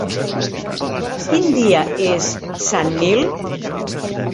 Quin dia és Sant Nil?